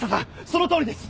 そのとおりです。